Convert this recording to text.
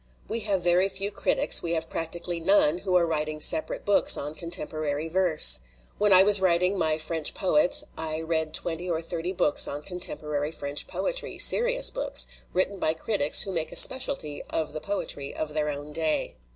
"We have very few critics, we have practically none who are writing separate books on con temporary verse. When I was writing my French Poets I read twenty or thirty books on contem porary French poetry, serious books, written by critics who make a specialty of the poetry of their own day.